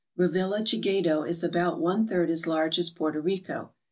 Revilla Gigedo is about one third as large as Porto Rico.